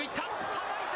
はたいた。